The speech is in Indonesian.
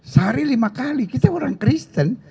sehari lima kali kita orang kristen